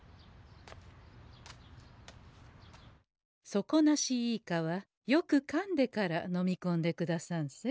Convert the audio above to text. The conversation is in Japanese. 「底なしイカ」はよくかんでからのみこんでくださんせ。